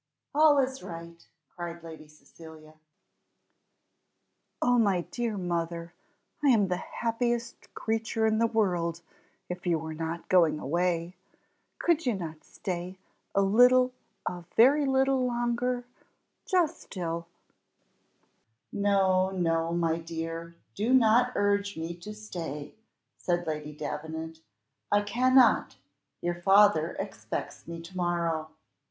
"All is right!" cried Lady Cecilia. "O my dear mother, I am the happiest creature in the world, if you were not going away; could not you stay a little, a very little longer just till " "No, no, my dear, do not urge me to stay," said Lady Davenant; "I cannot your father expects me to morrow."